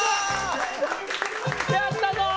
やったー！